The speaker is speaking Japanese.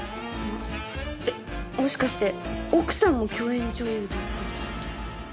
えっもしかして奥さんも共演女優だったりして。